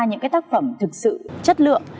những tác phẩm thực sự chất lượng